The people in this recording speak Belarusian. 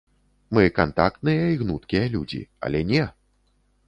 Мы кантактныя і гнуткія людзі, але не!